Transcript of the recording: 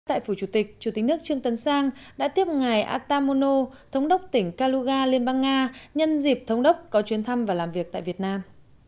tại phủ chủ tịch chủ tịch nước trương tân sang đã tiếp ngài atamono thống đốc tỉnh kaluga liên bang nga nhân dịp thống đốc có chuyến thăm và làm việc tại việt nam